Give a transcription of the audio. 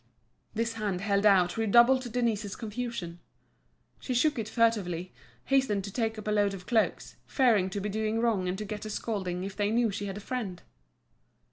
This hand held out redoubled Denise's confusion; she shook it furtively, hastening to take up a load of cloaks, fearing to be doing wrong and to get a scolding if they knew she had a friend.